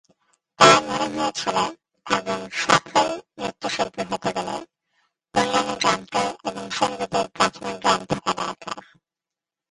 তাঁর মনে হয়েছিল, একজন সফল নৃত্যশিল্পী হতে গেলে, অন্যান্য যন্ত্র এবং সংগীতের প্রাথমিক জ্ঞান থাকা দরকার।